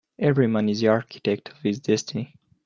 Every man is the architect of his destiny.